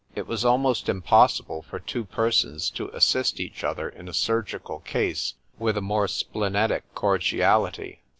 It was almost impossible for two persons to assist each other in a surgical case with a more splenetic cordiality.